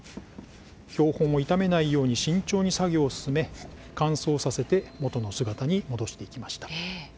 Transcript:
標本を傷めないように慎重に作業を進め、乾燥させて元の姿に戻していきました。